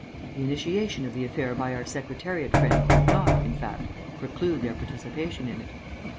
The initiation of the affair by our Secretariat friend would not, in fact, preclude their participation in it.